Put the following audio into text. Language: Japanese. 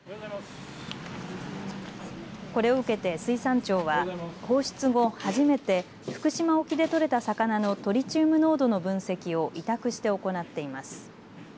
これを受けて水産庁は、放出後初めて、福島沖で取れた魚のトリチウム濃度の分析を委託して行っています。